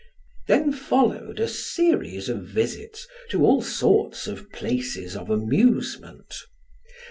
Then followed a series of visits to all sorts of places of amusement.